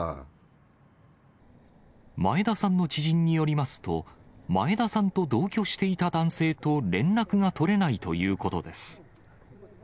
前田さんの知人によりますと、前田さんと同居していた男性と連絡が取れないということです。